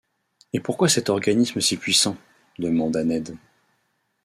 Et pourquoi cet organisme si puissant ? demanda Ned.